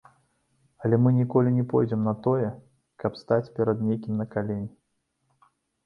Але мы ніколі не пойдзем на тое, каб стаць перад некім на калені.